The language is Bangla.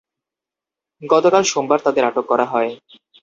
গতকাল সোমবার তাঁদের আটক করা হয়।